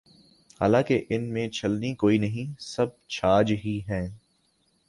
حالانکہ ان میں چھلنی کوئی نہیں، سب چھاج ہی ہیں۔